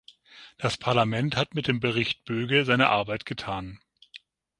Das Parlament hat mit dem Bericht Böge seine Arbeit getan.